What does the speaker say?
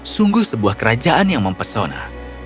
sungguh sebuah kerajaan yang mempesona